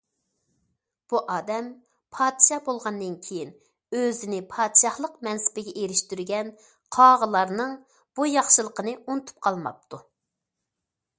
بۇ ئادەم پادىشاھ بولغاندىن كېيىن ئۆزىنى پادىشاھلىق مەنسىپىگە ئېرىشتۈرگەن قاغىلارنىڭ بۇ ياخشىلىقىنى ئۇنتۇپ قالماپتۇ.